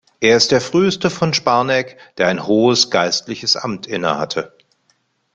Er ist der früheste von Sparneck, der ein hohes geistliches Amt innehatte.